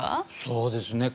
そうですね。